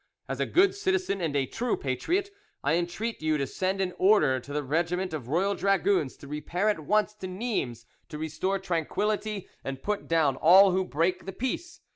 As a good citizen and a true patriot, I entreat you to send an order to the regiment of royal dragoons to repair at once to Nimes to restore tranquillity and put down all who break the peace.